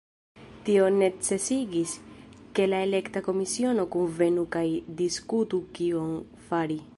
Tio necesigis, ke la elekta komisiono kunvenu kaj diskutu kion fari.